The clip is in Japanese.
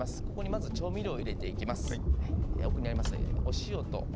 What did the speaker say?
ここに調味料を入れていきます。